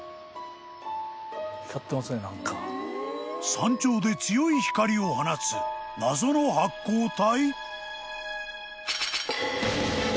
［山頂で強い光を放つ謎の発光体？］